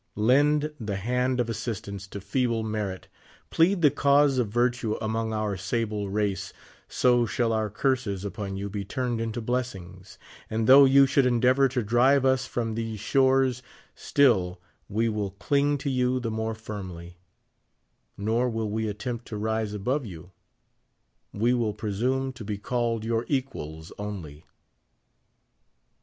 Lend tfie hand of assistance to feeble merit ; plead the cause of virtue among our sable race ; so shall our curses upon you be turned into blessings ; and though you should endeavor to drive us from these shores, still we will cling to you the more firmly ; nor will we attempt to rise above you ; we will presume to be called your equals only.